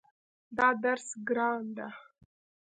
دا درس ګران ده